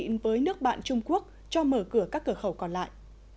trung quốc cho mở cửa các cửa khẩu còn lại